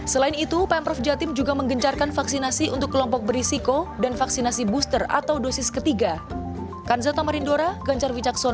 selain itu pemprov jatim juga menggencarkan vaksinasi untuk kelompok berisiko dan vaksinasi booster atau dosis ketiga